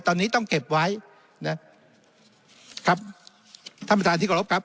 ตอนนี้ต้องเก็บไว้นะครับท่านประธานที่กรบครับ